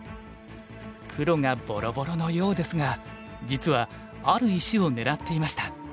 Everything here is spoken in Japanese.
黒がボロボロのようですが実はある石を狙っていました。